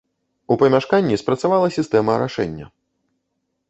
У памяшканні спрацавала сістэма арашэння.